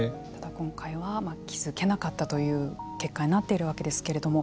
今回は気付けなかったという結果になっているわけですけれども。